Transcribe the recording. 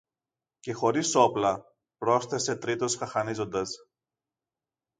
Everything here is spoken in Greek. Και χωρίς όπλα, πρόσθεσε τρίτος χαχανίζοντας.